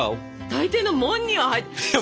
大抵のもんには入ってる。